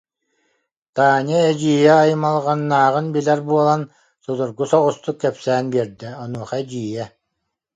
Таня эдьиийэ аймалҕаннааҕын билэр буолан, судургу соҕустук кэпсээн биэрдэ, онуоха эдьиийэ: